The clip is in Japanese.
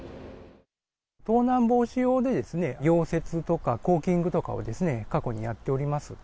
盗難防止用で溶接とか、コーキングとかをですね、過去にやっております。